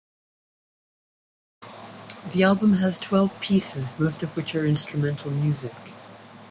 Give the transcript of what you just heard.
The album has twelve pieces, most of which are instrumental music.